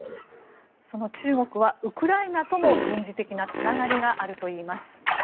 その中国はウクライナとも軍事的なつながりがあるといいます。